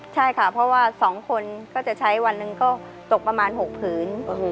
ใช่ค่ะเพราะว่า๒คนก็จะใช้วันหนึ่งก็ตกประมาณ๖ผืน